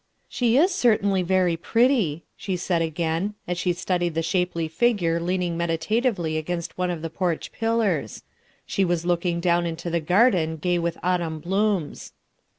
"She is certainly very pretty," she said again, as she studied the shapely figure leaning medita tively against one of the porch pillars; she was looking down into the garden gay with autumn blooms.